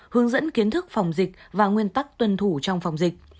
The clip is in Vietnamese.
hướng dẫn kiến thức phòng dịch và nguyên tắc tuân thủ trong phòng dịch